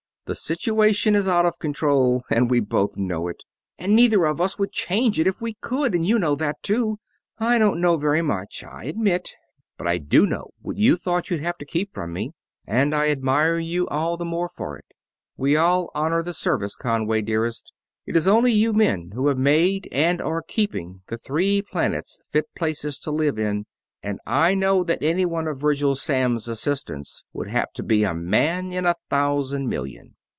The situation is out of control, and we both know it and neither of us would change it if we could, and you know that, too. I don't know very much, I admit, but I do know what you thought you'd have to keep from me, and I admire you all the more for it. We all honor the Service, Conway dearest it is only you men who have made and are keeping the Three Planets fit places to live in and I know that any one of Virgil Samms' assistants would have to be a man in a thousand million...."